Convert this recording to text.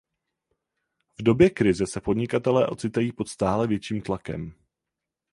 V době krize se podnikatelé ocitají pod stále větším tlakem.